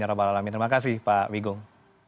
terima kasih pak wigung